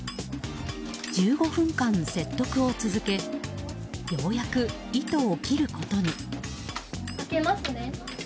１５分間、説得を続けようやく糸を切ることに。